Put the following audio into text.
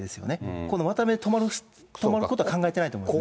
この渡辺で止まることは考えてないと思いますね。